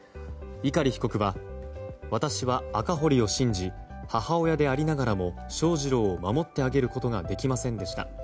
碇被告は、私は赤堀を信じ母親でありながらも翔士郎を守ってあげることができませんでした。